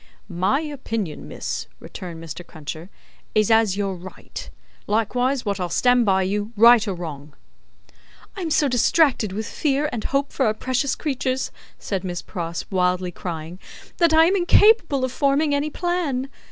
"My opinion, miss," returned Mr. Cruncher, "is as you're right. Likewise wot I'll stand by you, right or wrong." "I am so distracted with fear and hope for our precious creatures," said Miss Pross, wildly crying, "that I am incapable of forming any plan.